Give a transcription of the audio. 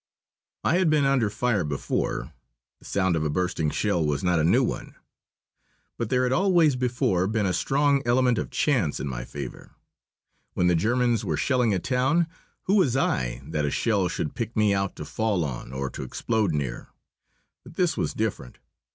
I had been under fire before. The sound of a bursting shell was not a new one. But there had always before been a strong element of chance in my favour. When the Germans were shelling a town, who was I that a shell should pick me out to fall on or to explode near? But this was different.